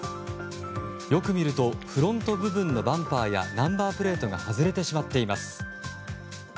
よく見るとフロント部分のバンパーやナンバープレートが外れてしまっています。